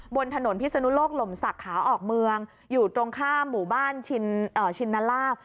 บนถนนพิศนุโลกลมศักดิ์ขาออกเมืองอยู่ตรงข้ามหมู่บ้านชินลาบ